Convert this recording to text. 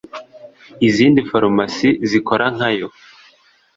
izindi farumasi zikora nkayo